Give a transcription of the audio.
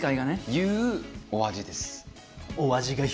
いうお味です。